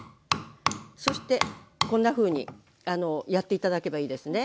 そしてこんなふうにやって頂けばいいですね。